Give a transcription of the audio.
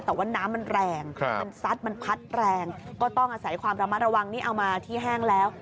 แต่ว่าน้ำมันแรงมันซัดมันพัดแรงก็ต้องอาศัยความระมัดระวังนี่เอามาที่แห้งแล้ว